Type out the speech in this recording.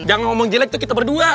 jangan ngomong jelek tuh kita berdua